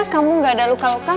kamu gak ada luka luka